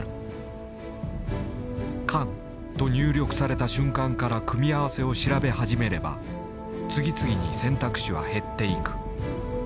「かん」と入力された瞬間から組み合わせを調べ始めれば次々に選択肢は減っていく。